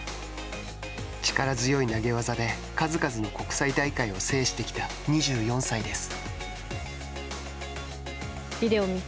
力強い投げ技で数々の国際大会を制してきた２４歳です。